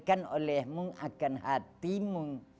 jadilahmu akan hatimu